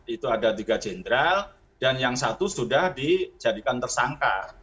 itu ada tiga jenderal dan yang satu sudah dijadikan tersangka